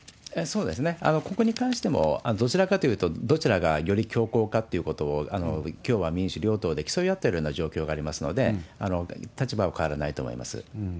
ここに関しても、どちらかというと、どちらがより強硬かっていうことを、共和、民主、両党で競い合ってるような状況がありますので、立場は変わらないと思います。